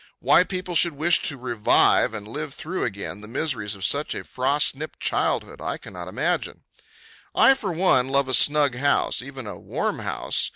Why people should wish to revive, and live through again, the miseries of such a frost nipped childhood, I cannot imagine. I, for one, love a snug house, even a warm house.